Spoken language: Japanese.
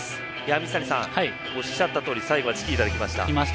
水谷さん、おっしゃったとおり最後はチキータできました。